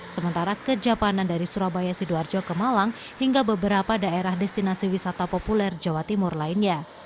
sementara kejapanan dari surabaya sidoarjo ke malang hingga beberapa daerah destinasi wisata populer jawa timur lainnya